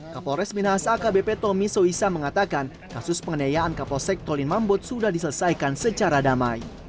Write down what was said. kapolres minahasa akbp tomi soesa mengatakan kasus pengenayaan kapolsek tolimambot sudah diselesaikan secara damai